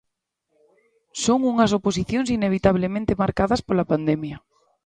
Son unhas oposicións inevitablemente marcadas pola pandemia.